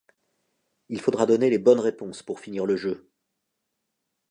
Il faudra donner les bonnes réponses pour finir le jeu.